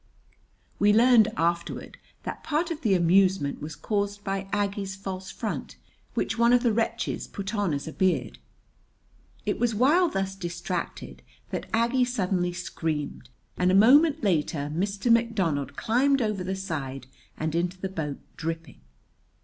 [We learned afterward that part of the amusement was caused by Aggie's false front, which one of the wretches put on as a beard.] It was while thus distracted that Aggie suddenly screamed, and a moment later Mr. McDonald climbed over the side and into the boat, dripping.